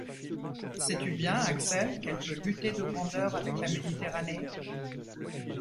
Sais-tu bien, Axel, qu’elle peut lutter de grandeur avec la Méditerranée ?